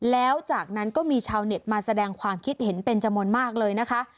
แล้วจากนั้นก็มีชาวเน็ตมาแสดงความคิดเห็นเป็นจำนวนมากเลยนะคะ